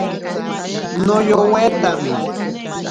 Noyowetami.